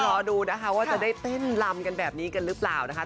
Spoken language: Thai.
รอดูนะคะว่าจะได้เต้นลำกันแบบนี้กันหรือเปล่านะคะ